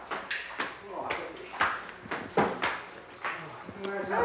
お願いします。